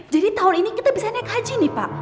jadi tahun ini kita bisa naik haji nih pak